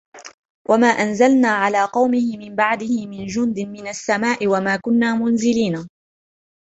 وَمَا أَنْزَلْنَا عَلَى قَوْمِهِ مِنْ بَعْدِهِ مِنْ جُنْدٍ مِنَ السَّمَاءِ وَمَا كُنَّا مُنْزِلِينَ